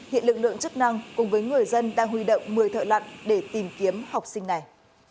hiện lực lượng chức năng cùng với người dân đang huy động một mươi thợ lặn để tìm kiếm học sinh này